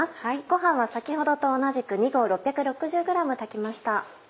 ご飯は先ほどと同じく２合６６０ｇ炊きました。